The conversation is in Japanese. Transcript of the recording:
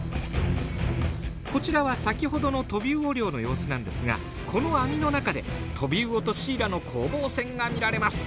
こちらは先ほどのトビウオ漁の様子なんですがこの網の中でトビウオとシイラの攻防戦が見られます。